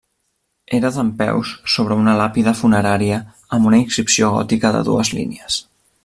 Era dempeus sobre una làpida funerària amb una inscripció gòtica de dues línies.